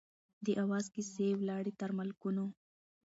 د آواز کیسې یې ولاړې تر ملکونو